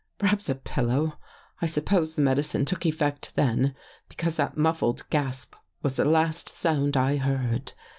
Perhaps a pillow. I suppose the medi cine took effect then, because that muffled gasp was the last sound I heard.